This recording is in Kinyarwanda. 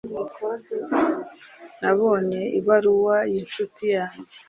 nabonye ibaruwa y'incuti yanjye